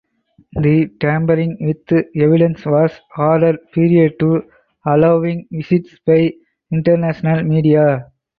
The tampering with evidence was ordered prior to allowing visits by international media.